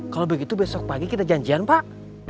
kalau begitu besok pagi kita janjian pak